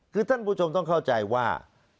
คือท่านผู้ชมต้องเข้าใจว่า